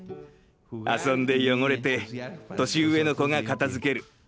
遊んで汚れて年上の子が片づける。